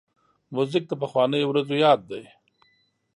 موزیک د پخوانیو ورځو یاد دی.